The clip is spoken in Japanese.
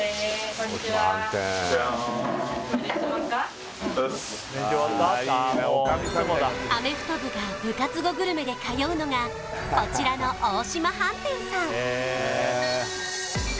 こんにちはおっすアメフト部が部活後グルメで通うのがこちらの大島飯店さん